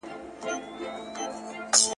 د قانون حاکميت د امنيت ضامن دی.